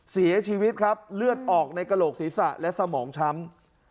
เสียชีวิตครับเลือดออกในกระโหลกศีรษะและสมองช้ำ